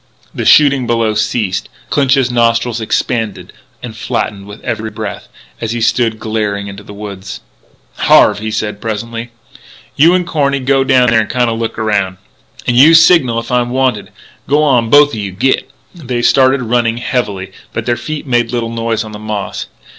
The shooting below ceased. Clinch's nostrils expanded and flattened with every breath, as he stood glaring into the woods. "Harve," he said presently, "you an' Corny go down there an' kinda look around. And you signal if I'm wanted. G'wan, both o' you. Git!" They started, running heavily, but their feet made little noise on the moss.